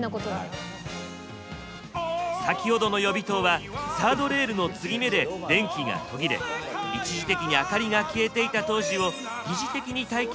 先ほどの予備灯はサードレールの継ぎ目で電気が途切れ一時的に明かりが消えていた当時を疑似的に体験できる仕掛けだったのです。